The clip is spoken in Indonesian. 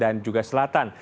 dan juga selatan